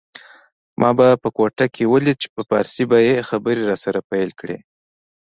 ما به په کوټه کي ولید په پارسي به یې خبري راسره پیل کړې